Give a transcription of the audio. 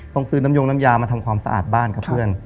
ต้องซื้อน้ำยงน้ำยามาทำความสะอาดบ้านครับเพื่อน